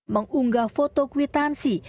mengunggah foto kwitansi